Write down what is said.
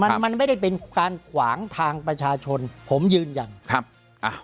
มันมันไม่ได้เป็นการขวางทางประชาชนผมยืนยันครับอ่า